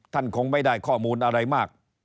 คงไม่ได้ข้อมูลอะไรมาก